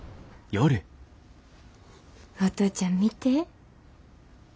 お父ちゃん見て？